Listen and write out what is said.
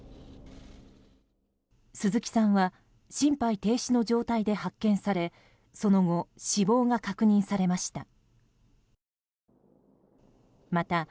鈴木さんは心肺停止の状態で発見されその後、死亡が確認されました。